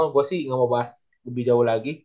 gue sih gak mau bahas lebih jauh lagi